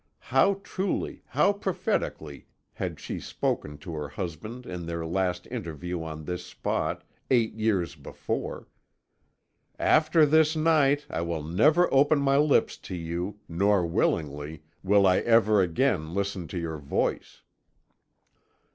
How truly, how prophetically, had she spoken to her husband in their last interview on this spot, eight years before! 'After this night I will never open my lips to you, nor, willingly, will I ever again listen to your voice!'